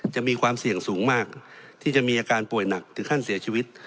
จะมีความเสี่ยงสูงมากที่จะมีอาการป่วยหนักถึงขั้นเสียชีวิต